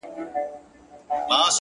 د خاموش کار اغېز ژور وي،